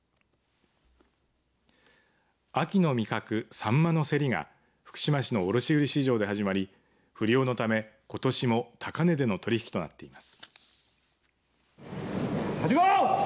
秋の味覚サンマの競りが福島市の卸売市場で始まり不漁のため、ことしも高値での取引となっています。